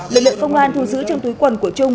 lực lượng công an thu giữ trong túi quần của trung